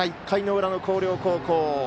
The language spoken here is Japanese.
１回の裏の広陵高校。